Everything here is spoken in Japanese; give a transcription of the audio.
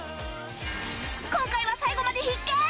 今回は最後まで必見！